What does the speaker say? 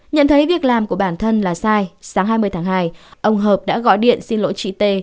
nhận thấy việc làm của bản thân là sai sáng hai mươi tháng hai ông hợp đã gọi điện xin lỗi chị t